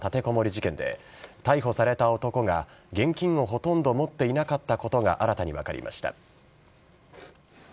事件で逮捕された男が現金をほとんど持っていなかったことが新たに分かりました。